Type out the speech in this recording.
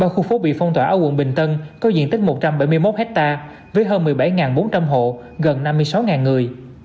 ba khu phố bị phong tỏa ở quận bình tân có diện tích một trăm bảy mươi một hectare với hơn một mươi bảy bốn trăm linh hộ gần năm mươi sáu người